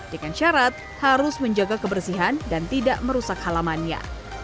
dengan syarat harus menjaga kebersihan dan tidak merusak halamannya